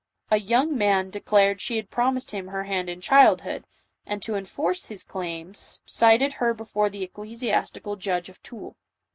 A young man de clared she had promised him her hand in childhood, and, to enforce his claims, cited her before the ecclesias tical Judge of Toul.